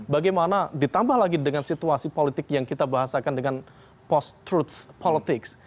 bagaimana ditambah lagi dengan situasi politik yang kita bahasakan dengan post truth politics